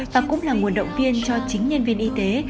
và cũng là nguồn động viên cho chính nhân viên y tế